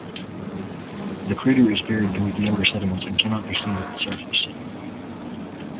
The crater is buried beneath younger sediments and cannot be seen at the surface.